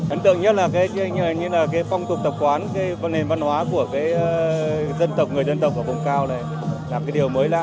ấn tượng nhất là cái phong tục tập quán cái nền văn hóa của dân tộc người dân tộc ở vùng cao này là cái điều mới lạ